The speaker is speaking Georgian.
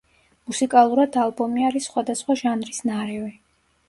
მუსიკალურად ალბომი არის სხვადასხვა ჟანრის ნარევი.